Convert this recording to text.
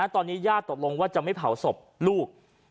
ตอนนี้ญาติตกลงว่าจะไม่เผาศพลูก